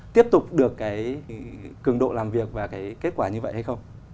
tiếp tục được cái cường độ làm việc và cái kết quả như vậy hay không